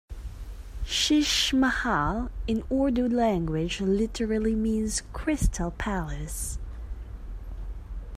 "Sheesh Mahal", in Urdu language, literally means 'Crystal Palace'.